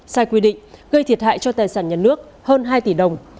sai quy định gây thiệt hại cho tài sản nhà nước hơn hai tỷ đồng